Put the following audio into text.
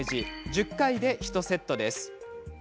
１０回で１セットです。